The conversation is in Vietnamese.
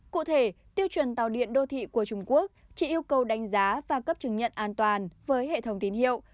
cụ thể tiêu chuẩn tàu điện đô thị của trung quốc chỉ yêu cầu đánh giá và cấp chứng nhận an toàn với hệ thống tín hiệu